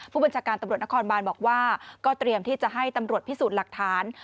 ผู้บัญชาการตำรวจนครบานบอกว่าก็เตรียมที่จะให้ตำรวจพิสูจน์หลักฐาน